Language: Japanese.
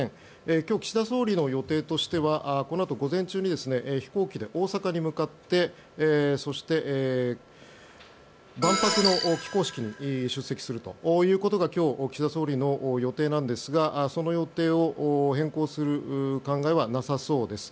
今日、岸田総理の予定としてはこのあと、午前中に飛行機で大阪に向かってそして、万博の起工式に出席するということが今日、岸田総理の予定なんですがその予定を変更する考えはなさそうです。